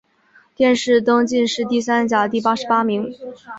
殿试登进士第三甲第八十八名。